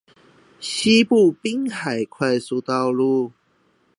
西部濱海快速公路